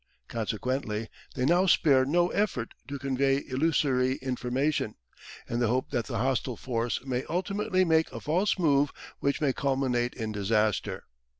Consequently, they now spare no effort to convey illusory information, in the hope that the hostile force may ultimately make a false move which may culminate in disaster.